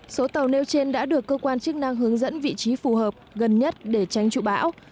số tàu nêu trên đã được cơ quan chức năng hướng dẫn vị trí phù hợp gần nhất để tránh trụ bão